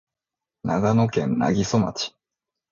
長野県南木曽町